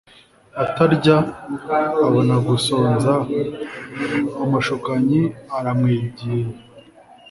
atarya abona gusonza Umushukanyi aramwegera